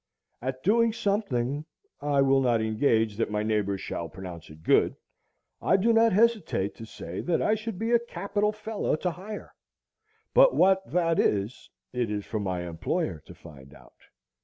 At doing something,—I will not engage that my neighbors shall pronounce it good,—I do not hesitate to say that I should be a capital fellow to hire; but what that is, it is for my employer to find out.